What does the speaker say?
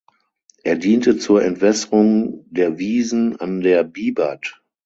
Er diente zur Entwässerung der Wiesen an der Bibert.